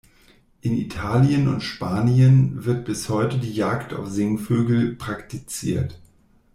In Italien und Spanien wird bis heute die Jagd auf Singvögel praktiziert.